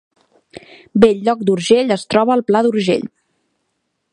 Bell-lloc d’Urgell es troba al Pla d’Urgell